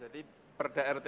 jadi perda rtrw ini